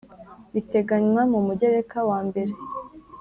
biteganywa mu mugereka wa mbere